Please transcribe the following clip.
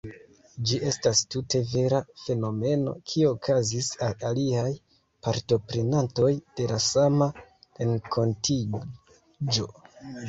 Ĝi estas tute vera fenomeno, kiu okazis al aliaj partoprenantoj de la sama renkontiĝo.